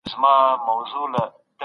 میتودولوژي سمه نه ده په ګوته سوي.